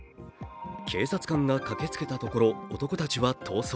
警察官が駆けつけたところ、男たちは逃走。